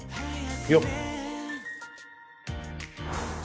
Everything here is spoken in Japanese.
よっ。